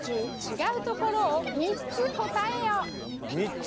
３つ！